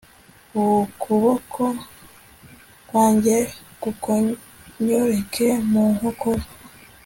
ukuboko kwanjye gukonyokere mu nkokora